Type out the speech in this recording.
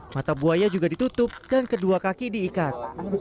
mata buaya juga ditutup dan kedua kaki diikat